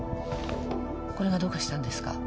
これがどうかしたんですか？